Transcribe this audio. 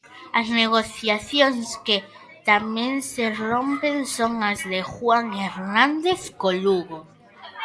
As negociacións que tamén se rompen son as de Juan Hernández co Lugo.